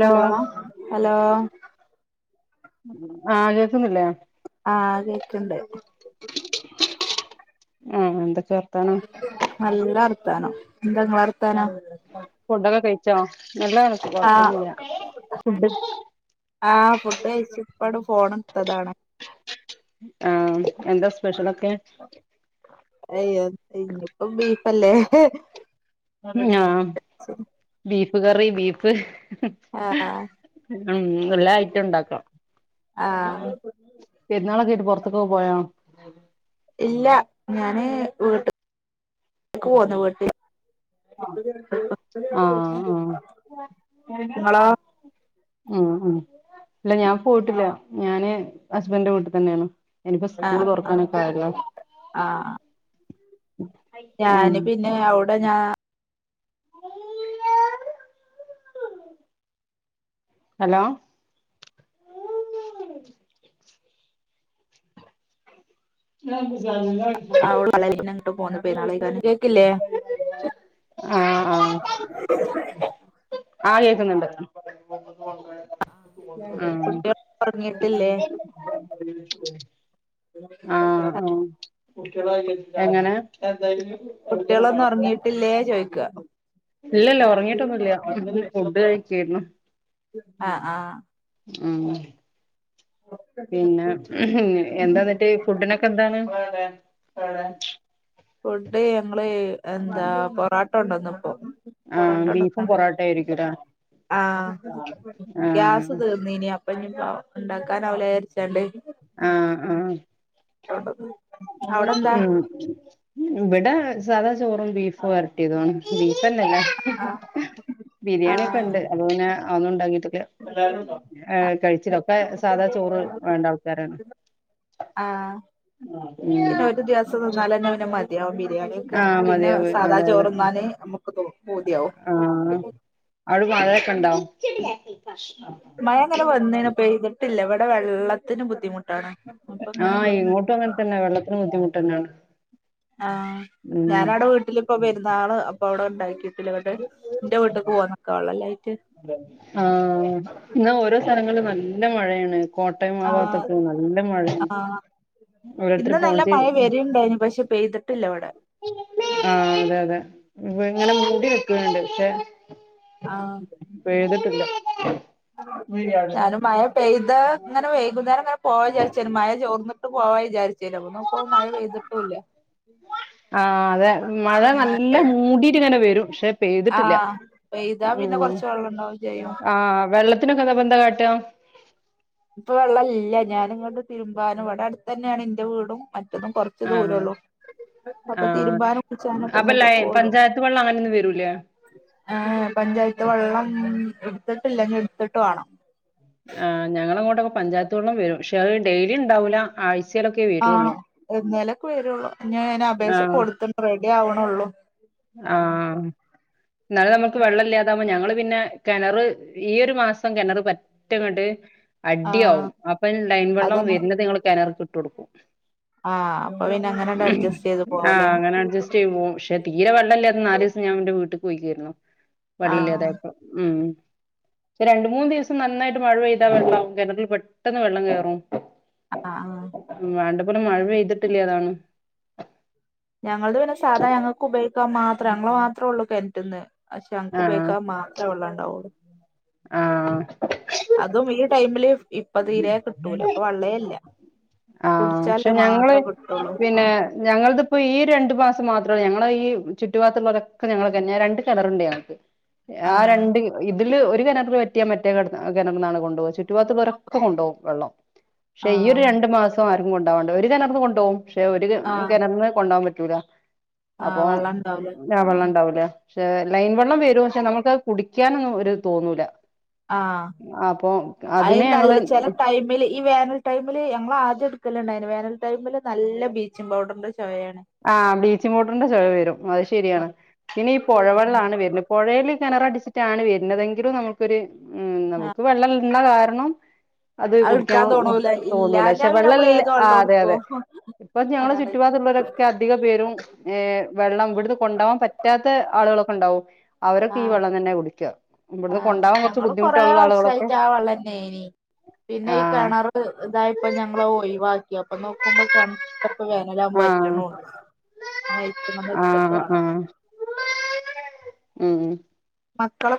Hello hello ആ കേക്കുന്നില്ലേ ആ കേക്കുണ്ട് ആഹ എന്തൊക്ക നല്ല വർത്താനം വർത്താനോ എന്താ വർത്താനം ഫുഡൊകെ കഴിച്ചാ നല്ല കണക്ക് ആഹ് കൊടുക്കുന്നില്ല ഫുഡ് ഇപ്പണ് ഫോണെട്ത്തതാണെ ആഹ് എന്താ സ്പെഷ്യലൊക്കെ അയ്യ ഇനീപ്പം ബീഫല്ലേ [inaudible] ഞാ ബീഫ് ബീഫ്കറി ബീഫ് ആഹ് ഉം നല്ല ഐറ്റം ഉണ്ടാക്കണം ആഹ് പെരുന്നാളൊകെയാട്ട് പുറത്ത് ക്കെ പോയാണ് ഇല്ല ഞാന് വീട്ടു എക്ക് പോന്ന വീട്ടിൽ ആഹ് ആഹ് നിങ്ങളാ ഉ ഇല്ല ഞാൻ പോയിട്ടില്ല ഞാന് ഹസ്ബൻഡന്റെ വീട്ടിൽ തന്നെയാണ് എനിപ്പോ സ്കൂള് ആഹ് ആഹ് തുറക്കാനൊക്കെ ആയല്ലോ ആഹ് ഞാന് പിന്നെ അവിടെ ഞാ..... അ [unintelligible] ഹലോ ആ [unintelligible] [unintelligible] പെര്ന്നാള് ആ ആ ആ കേ ക്ന്ന്ണ്ട് കുട്ടി [inaudible] ള് ഒറങ്ങീട്ടില്ലേ ആഹ് ആ എങ്ങനെ കുട്ടികളൊന്നും ഒറങ്ങീട്ടില്ലേ ചോയി ക്ക ഇല്ലല്ല ഒറങ്ങീട്ടൊന്നുല്ല ഫുഡ് കഴിക്കേ ര്ന്നു ആഹ് ആഹ് ആ പിന്നെ എന്താന്നിട്ട് ഫുഡിനൊക്കെ എന്താണ് ആണ ഫുഡ് ഞങ്ങള് എന്താ പൊറോട്ട കൊണ്ടോന്ന്പ്പം ആഹ് ബീഫും പൊറോട്ടണ്ടോന്നാണ്ട് പൊറോട്ടയും ആയിരിക്കൂലേ ആ ഗ്യാസ് തീർന്നീനി അ പ്പഞ്ഞിപ്പോ ണ്ടാ ആ ആ കൊണ്ടെന്ന് ഉം ഇവിടെ സാദാ ചോറും ബീഫു വരട്ടിയതു ആണ് ബീ ഫന്നല്ലേ ആഹ് ബിരിയാണി ഒക്കെ ആഹ് ഉണ്ട് അപ്പോ പിന്നെ ഒന്നും ഉണ്ടാക്കിട്ടില്ല ഏ കഴിച്ചിലൊക്കെ സാധാ ചോറ് വേണ്ട ആൾക്കാരാണ് ആ ഉം പിന്നെ ഒരു ദിവസം തിന്നാലന്നെ പിന്നെ മതിയാ [inaudible] ത്യാവീക്കെ ആഹ് പിന്നെ മതിയാവും സാദാ അതെ ചോറ് അതെ ന്നാന് പൂതിയാവും അടെ മഴെക്കെണ്ടോ മഴ ഇങ്ങനെ വന്ന്ണ് പെയ്തിട്ടില്ല ഇവിടെ വെള്ളത്തിന് ബുദ്ധിമു ആ ഇങ്ങോട്ടും അങ്ങൻ തന്നെ വെള്ളത്തിന് ബുദ്ധിമുട്ടന്നാണ് ആ ഞാനവിടെ വീട്ടിലിപ്പൊ പെരുന്നാള് അപ്പൊ അവിടെ [unintelligible] ഇല്ല ഇവിടെ ഇന്റെ വീട്ടീക്ക് പോന്നക്ക വെള്ളല്ലായി ആ ഇന്ന ഓരോ സ്ഥലങ്ങളുംനല്ല നല്ല മഴയാണ് കോട്ടയം ആ ഭാഗത്തൊക്കെ നല്ല മഴയാണ് ആ ഓരോരുത്തർ ഇന്ന് ഫോൺ നല്ല മഴ വരീണ്ടായിന് പക്ഷെ പെയ്തിട്ട [unintelligible] ഇല്ലെവിടെ ആ അതെ അതെ ഇവെ ഇങ്ങനെ മൂടി നികീണ്ട് പക്ഷെ ആഹ് പെയ്തിട്ടില്ല ഞാനും മഴ പെയ്ത ഇങ്ങനെ വൈകുന്നേരം ഇങ്ങനെ പോവാ വിചാരിച്ചന് മഴ ചോർന്ന് പോവാ ജായി [unintelligible] നോക്കുംബോ മഴ പെയ്തിട്ടൂല്ല ആഹ് അതെ മഴ നല്ല മൂടിട്ട് ഇങ്ങനെ വരും പക്ഷെ ആ പെയ്തിട്ടില്ല പെയ്താ പിന്നെ ഉം കൊറച്ച് വെള്ളംണ്ടാവും ചെയ്യും തിന് കാട്ട ഇപ്പൊ വെള്ളം ഇല്ല ഞാന ഇങ്ങണ്ട് തിരുമ്പാനും ഇവിടെ അടുത്ത് തന്നെയാണ് എന്റെ വീടും [unintelligible] കുറച്ച് ആഹ് ദൂരള്ളൂ അപ്പൊ ആഹ് തിരുമ്പാനും കുളിച്ചാനുംഒക്കെ അപ്പൊ ഇങ്ങട്ട് ലൈ പോരും പഞ്ചായത്ത് വെള്ളം അങ്ങനെയൊന്നും വരൂലേ എപഞ്ചായത്ത് വെള്ളം ഉംഎടുത്തിട്ടില്ല ഇനിഎടുത്തിട്ട് വേണം ആ ഞങ്ങളങ്ങോട്ടൊ പഞ്ചായത്ത് വെള്ളം വരും പക്ഷെ അത് ഡെയിലി ഉണ്ടാവില്ല ആഴ് ആഎന്നേലേക്കെ വരുള്ളൂ ഞെ അയിനെ അപേക്ഷ കൊടുത്തത്രെ [unintelligible] ആവണള്ളൂ ആ ന്നാള് നമുക്ക് വെള്ളല്ലാതാവുമ്പോ ഞങ്ങള് പിന്നെ കിണറ് ഈയൊരു മാസം കിണറ് പറ്റങ്ങണ്ട് ആഹ് അടിയാവും അപ്പം ലൈൻ വെള്ളം അതന്നെ വരുന്നത് നങ്ങൾ കിണർകി ഇട്ടെടുക്കും ആഹ് അപ്പൊ പിന്നെ അങ്ങനെണ്ട് അഡ്ജസ്റ്റ് ചെയ്ത് ആ പോവല്ലേ അങ്ങനെ അഡ്ജസ്റ്റ് ചെയ്യ് പോവും പക്ഷേ തീരെ വെള്ളല്ലാതെനാല് ദിവസം ഞാനെന്റെ വീട്ട് പോയി കേരുന്നു ആഹ് വള്ളല്ലാതായപ്പം ഉം ക്ഷെ രണ്ട് മൂന്നു ദിവസം നന്നായിട്ട് മഴ പെയ്ത വെള്ളം ആവും കിണറ്റിൽ പെട്ടെന്ന് വെള്ളം കേറും. അ അ ഇവിടെ മഴ പെയ്തിട്ടില്ല്യ അതാണ് ഞങ്ങൾത് പിന്നെ സാധാ ഞങ്ങക്ക് ഉപയോഗി ക്കാൻ മാത്രം ഞങ്ങള് മാത്രോ ള്ളൂ കിണറ്റ്ന്ന്. പക്ഷെ ഞങ്ങക്ക് ഉപയോഗിക്കാൻ മാത്രം ഉള്ളതാണ് ഓ ആ അതും ഈ ടൈമില് ഇ പ്പ തീരെ കിട്ടൂല ഇപ്പ വള്ളേ ഇ ഇല്ല ആ പക്ഷെ കുടിച്ചാലേ ഞങ്ങള് മാത്രം കിട്ടുള്ളൂ പിന്നെ ആഹ് ഞങ്ങളുടേത്‌ ഇപ്പം ഈ രണ്ടു മാസം മാ ത്രോള്ളൂ ഞങ്ങടെ ഈ ചുറ്റുഭാഗത്തുള്ളോരോക്കെ ഞങ്ങൾതെന്നെയ രണ്ട് കിണറുണ്ട് ഞങ്ങക്ക് ആ ആഹ് രണ്ട് ഇ ഇതില് ഒരു കിണറ് പറ്റിയാൽ മറ്റേ കി കിണർന്നാണ് കൊണ്ടോവ ചുറ്റുഭാഗത്ത് ഉള്ളോരോക്കെ കൊണ്ടോവും വെള്ളം പക്ഷെ ഈ ഒരു ആഹ് രണ്ടു മാ കൊണ്ടോവാണ്ട് ഒരു കിണറീന്ന് കൊണ്ടോവും. പക്ഷെ ഒരു ആഹ് കിണറീന്ന് കൊണ്ടോവാൻ പ റ്റൂല ആഹ് അപ്പൊ വെള്ളം ഉണ്ടാവൂല ഞ ആഹ് വെള്ളം ഇണ്ടാവൂല പക്ഷെ ലൈൻ വെള്ളം വരും പക്ഷെ നമുക്കത് കുടിക്കാനൊന്നും ഇത് തോന്നൂല ആ അപ്പൊ അത് അതിന് ഞങ്ങള് നല്ല ചില ടൈമില് ഈ വേനൽ ടൈമില് ഞങ്ങളാദ്യം എടു ക്കല് ഉണ്ടായിന് വേനൽ ടൈമില് നല്ല ബീച്ചും പൗഡർൻ്റെ ആ ബ്ലീച്ചിംഗ് പൗഡറിന്റെ ചൊവ വരും അത് ശരിയാണ് ഇനി ഈ പൊഴ വെള്ളാണ് വരുന്നത് പൊഴേല് കിണർ അടിച്ചിട്ടാണ് വരുന്നതെ ങ്കില് നമുക്കൊരു ഉം ആഹ് നമുക്ക് വെള്ളം [unintelligible] കാ രണം അത് കുടിക്കാൻ എടുക്കാൻ തോണൂല തോന്നൂല ഇല്ലാഞ്ഞാ പക്ഷെ പിന്നെ വെള്ളം നമ്മൾ ഇല്ല ഏത് ആ വെള്ളം അതെ അതെ എടുക്കും ഇപ്പം ഞങ്ങടെ അതാണ് ചുറ്റുഭാഗത്തുള്ളോരൊ വരും ഏ വെള്ളം ഇവിടുന്ന് കൊണ്ടോവാൻ പറ്റാത്ത ആളുകളൊക്കെ ഉ ണ്ടാവും അവരൊക്കെ ഈ വെള്ളം തന്നെയാ കുടിക്ക ആ ഞങ്ങള് കൊറെ വർഷായിട്ട് ആ വെള്ളം നേനി പിന്നെ ഈ ആഹ് കിണറ് ഇതായപ്പ ഞങ്ങള് ഒഴിവാ ക്കി അപ്പൊ നോക്കുമ്പോ കണ്ടപ്പ വേനലാ ആഹ് വറ്റണുള്ളൂ അന്ന് ആഹ് ആഹ് [unintelligible] ഉം ഉം മക്കള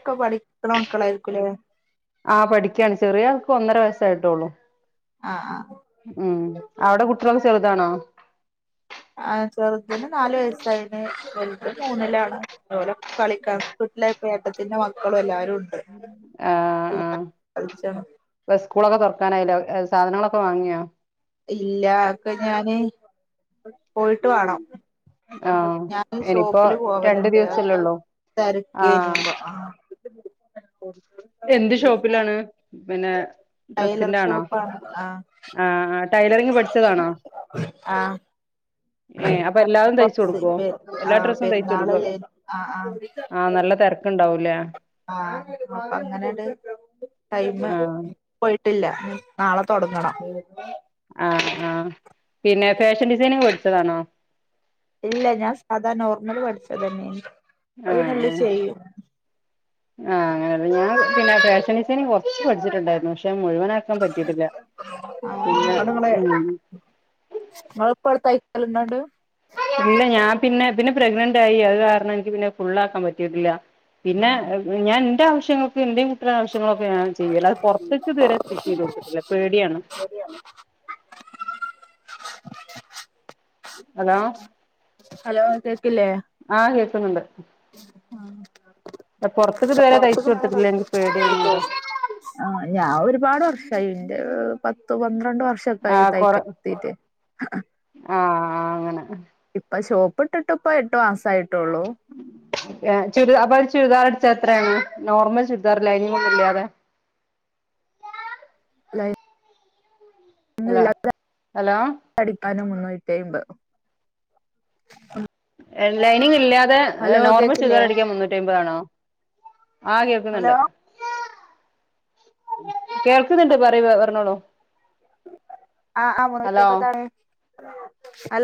ആ പഠിക്കയാണ് ചെറിയ ആൾക്ക് ഒന്നര വയസ് ആയിട്ടോളൂ ആഹ് ആഹ് ഉം അവിടെ കുട്ടികളെക്കെ ചെറുതാണോ ആ ചെറുതിന് നാലു വയസ്സായിന് വലുത് മൂന്നിലാണ് കളിക്കാം കുട്ട ഏട്ടത്തിന്റെ മക്കളും എല്ലാവരും ആഹ കളിച്ചാണ് ആ സ്കൂളൊക്കെ തുറക്കാനായില്ലേ സാധനങ്ങളൊക്കെ വാങ്ങിയാ ഇല്ല അതെക്കെ ഞാന് പോയിട്ട് വേണം ആഹ് ഞാൻ ഇനിയിപ്പോ ഷോപ്പില് രണ്ടു പോവലുണ്ട് ദിവസല്ലേ അപ്പ ഉള്ളൂ തിരക്കേന ആഹ് അപ്പൊ ആ [inaudible] എന്ത് ഷോപ്പിലാണ് പിന്നെ ടൈലർ ഡ്രസ്സിന്റെ ആണോ ഷോപ്പാ ആഹ് ആഹ് ആഹ് ടൈലറിങ് ആ ആഹ ഏ അപ്പൊ എല്ലാവർക്കും തയ്ച്ചു കൊടുക്കുവോ എല്ലാ ആഹ് ഡ്രസ്സും തയ്ച്ചു കൊടുക്കുവോ പെരുന്നാളല്ലേ ആഹ നല്ല തിരക്കുണ്ടാവും ആഹ അങ്ങനെ ടൈയിമ് ആഹ് പോയി ട്ടില്ല നാളെ തുടങ്ങുവാ ആഹ ആ പിന്നെ ഫാഷൻ ഡിസൈനിങ് പടിച്ചതാണോ ഇല്ല ഞാൻ സാധാണ നോർമൽ പഠിച്ചത് തന്നെയാണ് അത് ആഹ് കണ്ട് ആഹ് ചെയ്യും ആഹ് അങ്ങനെയ ഞാൻ പിന്നെ ഫാഷൻ ഡിസൈനിംഗ് കുറച്ച് പഠിച്ചിട്ടുണ്ടായിരുന്നു പക്ഷെ മുഴുവന് ആക്കാൻ പറ്റിട്ടില്ല ആഹ് ഇങ്ങട്ട് ഇങ്ങള് പിന്നെ ഇങ്ങള് എലനട് ഇല്ല ഞാൻ പിന്നെ പിന്നെ പ്രെഗ്നന്റ് ആയി അത് കാരണം എനിക്ക് പിന്നെ ഫുൾ ആക്കാൻ പറ്റിയിട്ടില്ല പിന്നെ ആഹ് ഞാൻ എന്റെ ആവശ്യം ങ്ങ [unintelligible] എന്റെ ആവശ്യങ്ങളൊക്കെ ഞാൻ ചെയ്യല്ല അത് പുറത്തേക്ക് ഇതുവരെ സ്റ്റിച്ച് ചെയ്ത കൊടുത്തട്ടില്ല പേടിയാണ് ഹലോ ഹലോ കേക്കില്ലേ ആഹ് [inaudible] പുറത്തേക്ക് ഇതുവരെ തയ്ച്ചു കൊടുത്തിട്ടില്ല എനിക്ക് പേടിയാണ് ആ ഞാൻ ഒരുപാട് വർഷ ഷൈന്റെ പത്ത് പന്ത്രണ്ട ഷക്കായി ആഹ് കൊറ തൈകലോടത്തീട്ട് ആ അങ്ങനെ ഇപ്പൊ ഷോപ്പ് ഇട്ടിട്ട് ഇപ്പ എട്ടു മാസായിട്ട [unintelligible] ചുരി അപ്പ ചുരിദാർടു എത്രയാണ് നോർമൽ ചുരിദാർ ലൈനിങ്ങൊന്നുംല്ലാതെ ഹലോ ല്ലാതെ ഹലോ അടിക്കാനും മുന്നൂറ്റമ്പത് [unintelligible] എ ലൈ ല്ലാതെ നോർമൽ കേക്കില്ലേ ചുരിദാറടിക്കാ മുന്നൂറ്റിമ്പതാണോ ആ കേക്കുന്നുണ്ട് ഹലോ [unintelligible] കേൾക്കുന്നുണ്ട് പറയ പറഞ്ഞോളു ആ ആ [inaudible] [unintelligible] ഹലോ [unintelligible]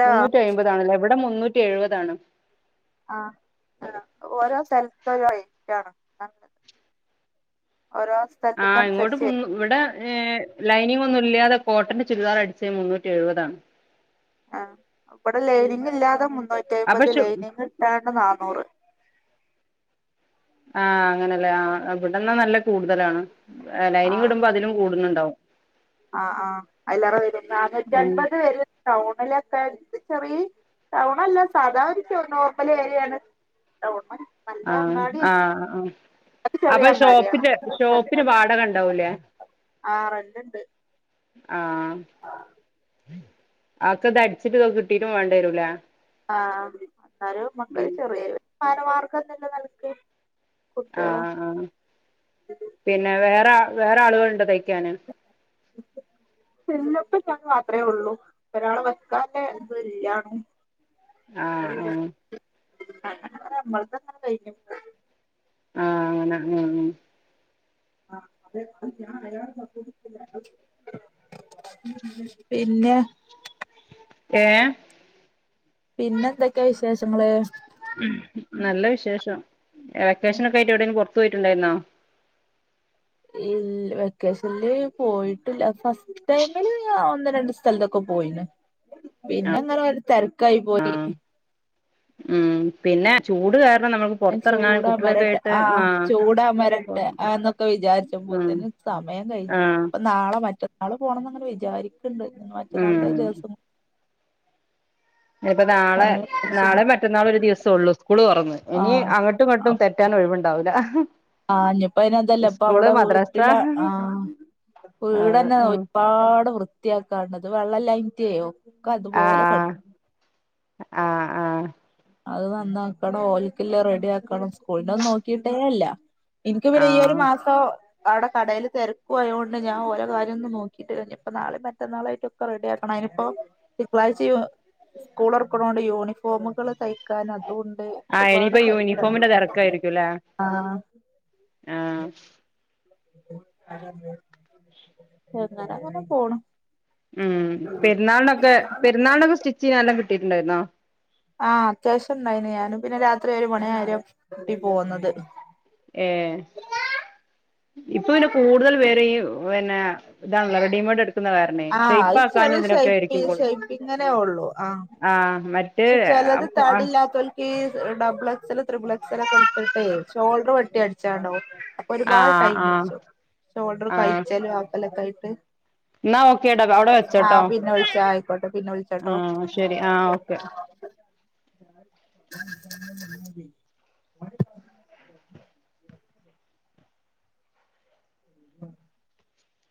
മുന്നൂറ്റി അമ്പതാണല്ലോ ഇവിടെ മുന്നൂറ്റി റ്റി എഴുപതാണ് ആ ഓരോ സ്ഥ രോ റൈറ്റാണ് ആ ഇങ്ങോട്ട് ഇവിടെ ലൈനിങ്ങൊന്നു ഇല്ലാതെ കോട്ടന്റെ ചുരിദാർ അടിച്ച മുന്നൂറ്റി എഴുപതാണ് ആ അവിടെ ലേരിങ് ഇല്ലാതെ മു അപ്പൊ നൂറ്റിമ്പത് ഷു ലൈനിങ് ഇട്ടാണ്ട് നാന്നൂറ് ആഹ് അങ്ങനല്ലേ ആ ഇവിടന്ന ന കൂടുതലാണ് ലൈനിങ് ഇടുമ്പോൾ അതിലും കൂടുന്നുണ്ടാവും ആ ആഐലേറെ വരു നനൂറ്റി ഉം അൻപത് വെരും ടൗണില [inaudible] [unintelligible] ടൗണല്ല സാധാരു [inaudible] ഏരിയാണ് ടൗണി- ആ ആ ആ അത് ചെറിയ അപ്പൊ അങ്ങാടിയാണ് ഷോപ്പിന്റെ ഷോപ്പിന് വാടകണ്ടാവൂലേ ആ റന്റ് ഇണ്ട് ഉ [unintelligible] ആഹ ആക്ക അത് അടിച്ചിട്ട്തൊ കിട്ടിട്ട് പോകേണ്ടിരൂലേ ആ അ എന്നാലും മക്ക ചെറിയ മഗ ക്കല്ല നനക്ക് ആഹ ആ പിന്നെ വേറെ വേറെ ആള്കള്ണ്ടോ തയ്ക്കാന് ചെല്ലപ്പോ ഞാൻ മാത്രേ ഒള്ളൂ ഒരാളെ വെക്കാല്ലേ ത് ഇല്ലാണും ആഹ് ആഹ് അങ്ങനെ നമ്മൾത്തങ്ങനെ കഴിഞ് പോ ആഹ് അങ്ങനെ ഉം ഉം പിന്നെ ഏഹ് പിന്നെന്തൊക്കെയാ വിശേഷങ്ങള് നല്ല വിശേഷം വക്കേഷനൊക്കെ ആയിട്ട് എവിടെങ്കിലും പോ പോയിട്ടുണ്ടായിരുന്നോ ഇ വെക്കേഷനില് പോയിട്ടില്ല ഫസ്റ്റ് ടൈമില് ഒന്ന് രണ്ട് സ്ഥലത്തൊക്കെ പോയിന് പിന്നെ അങ്ങനെ തെര- ക്കായ് പോയി ആഹ് ഉം പിന്നെ ചൂട് കാരണം നമ്മള് ന്നെ ചൂടമരട്ടെ ആഹ് ചൂടമരട്ടെ ആന്നൊക്കെ വിചാരിച്ച ഉം പോത്തേന് സമയം കഴിഞ്ഞു ആഹ് ഇപ്പ നാളെ മറ്റന്നാള് പോണംന്നങ്ങനെ വിചാരിക്ക്- ഇണ്ട് മറ്റന്നാൾത്തെ ഉം ദിവസം ഇനിപ്പ നാളെ അങ്ങനെ നാളെ വിചാരിച്ചിണ്ട് മറ്റന്നാള് ഒരു ദിവസൊള്ളൂ സ്കൂള് തൊറന്ന് ഇനി അങ്ങട്ടും ആഹ് ഇങ്ങട്ടും തെറ്റാന് ഒഴിവ്ണ്ടാവ് അതാ ആഹ് ഇഞ്ഞിപ്പയ്നന്തല്ലേ ഇപ്പൊ അവ്ടെ ഓര് മദ്രസ ഇക്കില്ല ആഹ് ആഹ് വീടന്നെ ഉം ഒര്പാട് വൃത്തിയാക്കാണം അത് വെള്ളല്ലയ്റ്റേയോ ആഹ് ആഹ് ആഹ് അത് നന്നാക്കണം ഓൽക്കില്ലെ റെഡി ആക്കണം സ്കൂളിന്റെ ഒന്നും നോക്കിട്ടേല്ല ഇൻക്ക് പിന്നെ ഈ ഒരു ആഹ് മാസോ അവിടെ കടയില് തെരക്കും ആയോണ്ട് ഞാൻ ഓലെ കാര്യം ഒന്നും നോക്കിട്ട് ഇല്ല ഇനിപ്പം നാളെ മറ്റന്നാളായിട്ടൊക്കെ റെഡിയാക്കണം അയ്നിപ്പോ തിങ്കളാഴ്ച യൂ സ്കൂളൊറക്ക്ണോണ്ട് യൂണിഫോമുകള് ക്കാൻ അതൂണ്ട് ആഹ് ഒക്കെപ്പാടെ ഇനിയിപ്പോ തെരക്കാണ് യൂണിഫോമിന്റെ തെരക്കായിരിക്കുംല്ലേ ആഹ് ആഹ് എന്നര അങ്ങനെ പോണ് ഉം പെരുന്നാളിനൊക്കെ പെരുന്നാളിനൊക്കെ സ്റ്റിച്ച് ചെയ്യാൻ നല്ലോ കിട്ട് ട്ടിട്ടുണ്ടായിരുന്നോ ആഹ് അത്യാവശ്യം ഉണ്ടായിനി ഞാന് പിന്നെ രാത്രി ഒരു മണി ആയേര പൂട്ടി പോന്നത് ഏ ഇപ്പൊ പിന്നെ കൂടുതൽ പേര് പിന്നെ ഇതാണല്ലോ റെഡിമെയ്ഡ് എട്ക്ക ആ അത് ചെറിയ ഷെയ്പ്പി കൊ ഷെയ്പ്പിങ്ങനെ ഉള്ളു ആ ആഹ് മറ്റേ ക്ഷെ ചെലത് ആഹ് ആഹ് തടില്ലാത്തോൽ ഈ ഡബിള് എക്സല് ത്രിബിൾ എക്സല് എടുത്തിട്ടേയ് ഷോൾഡർ വെട്ടി അടിച്ചാണ്ടാവും അപ്പൊ ഒരുപാട് ടൈം ആഹ് വച്ചോ ഷോൾഡർ ആഹ് കഴിച്ചാലും ആക്കലൊ കൈ എന്നാ ഓക്കേടാ അവിടെ ആ വെച്ചോട്ടോ പിന്നെ വിളിച്ചാ ആയിക്കോട്ടെ പിന്നെ വിളിച്ചാട്ടോ. ക ഉം